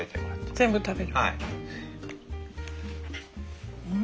全部食べるの？